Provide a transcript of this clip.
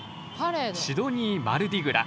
「シドニー・マルディグラ」。